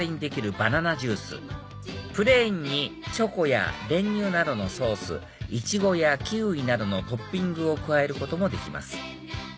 バナナジュースプレーンにチョコや練乳などのソースイチゴやキウイなどのトッピングを加えることもできます